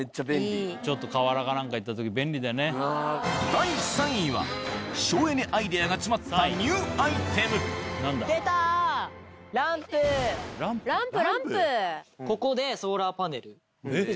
第３位は省エネアイデアが詰まったニューアイテムランプランプ。